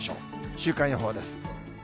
週間予報です。